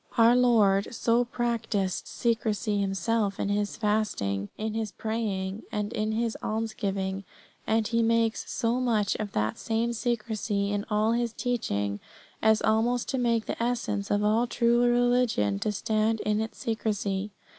4. Our Lord so practised secrecy Himself in His fasting, in His praying, and in His almsgiving, and He makes so much of that same secrecy in all His teaching, as almost to make the essence of all true religion to stand in its secrecy.